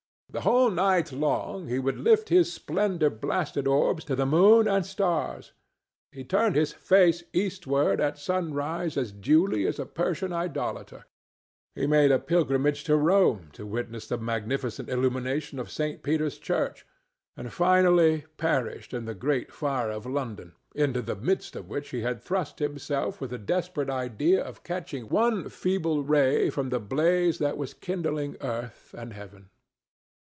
The whole night long he would lift his splendor blasted orbs to the moon and stars; he turned his face eastward at sunrise as duly as a Persian idolater; he made a pilgrimage to Rome to witness the magnificent illumination of Saint Peter's church, and finally perished in the Great Fire of London, into the midst of which he had thrust himself with the desperate idea of catching one feeble ray from the blaze that was kindling earth and heaven.